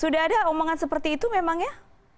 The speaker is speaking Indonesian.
sudah ada omongan seperti itu memang ya